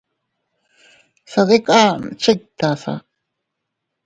Sadikan chiktasa.